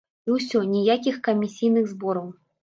І ўсё, ніякіх камісійных збораў!